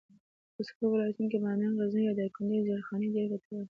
په سړو ولایتونو لکه بامیان، غزني، یا دایکنډي کي زېرخانې ډېرې ګټورې دي.